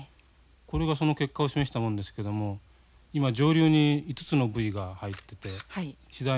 これがその結果を示したもんですけども今上流に５つのブイが入ってて次第に流れ下っていってるわけですね。